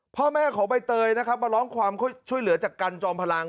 พ่อแม่ของใบเตยนะครับมาร้องความช่วยเหลือจากกันจอมพลัง